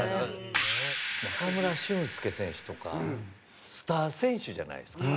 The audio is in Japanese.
中村俊輔選手とかスター選手じゃないですか。